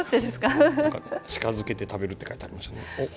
近づけて食べるって書いてありましたね。